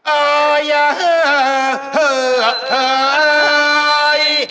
เอ่อเฮอเอ่อเฮอเอ่อ